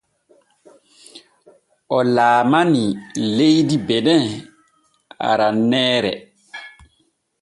O laalanii leydi bene aranneere.